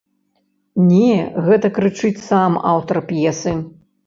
Не, гэта крычыць сам аўтар п'есы.